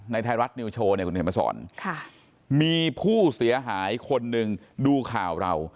ไทยรัฐนิวโชว์เนี่ยคุณเห็นมาสอนมีผู้เสียหายคนหนึ่งดูข่าวเรา